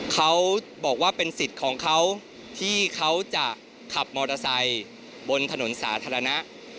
เขาบอกว่าเป็นสิทธิ์ของเขาที่เขาจะขับมอเตอร์ไซค์บนถนนสาธารณะ